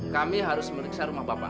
kami harus meriksa rumah bapak